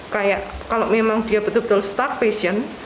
kayak kalau memang dia betul betul starvation